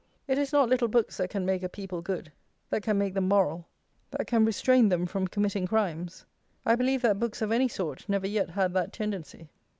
It is not little books that can make a people good; that can make them moral; that can restrain them from committing crimes. I believe that books of any sort never yet had that tendency.